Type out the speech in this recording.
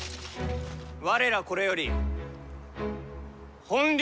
我らこれより本領